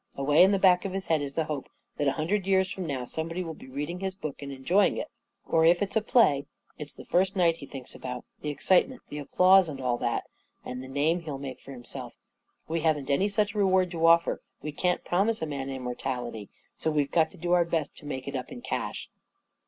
Away at the back of his head is the hope that a hundred years from now somebody will be reading his book and enjoying it; or if it's a play, it's the first night he thinks about — the excitement, the applause, and all that — and the name he'll make for himself. We haven't any such reward to offer — we can't promise a man immortality — so we've got to do our best to make it up in cash."